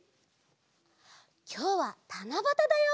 きょうはたなばただよ。